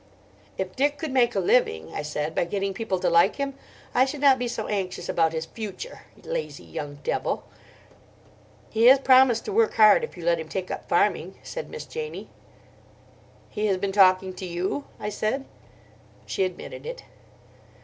"If Dick could make a living," I said, "by getting people to like him, I should not be so anxious about his future—lazy young devil!" "He has promised to work hard if you let him take up farming," said Miss Janie. "He has been talking to you?" I said. She admitted it.